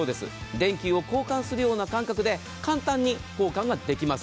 電球を交換するような感覚で簡単に交換できます。